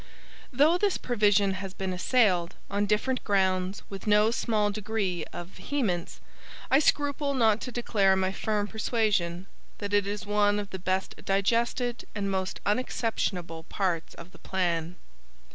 Though this provision has been assailed, on different grounds, with no small degree of vehemence, I scruple not to declare my firm persuasion, that it is one of the best digested and most unexceptionable parts of the plan.